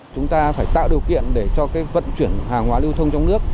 chúng ta phải tạo điều kiện để vận chuyển hàng hóa lưu thông trong nước